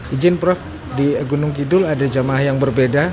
ijin prof di gunung kidul ada jemaah yang berbeda